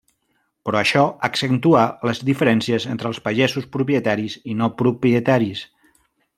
Però això accentuà les diferències entre els pagesos propietaris i no propietaris.